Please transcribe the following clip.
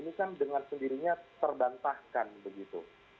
ini kan dengan sendirinya terbantahkan begitu